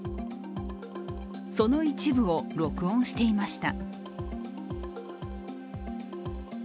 その一部を録音していました。